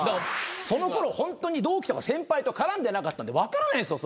そのころホントに同期とか先輩と絡んでなかったんで分からないんですよ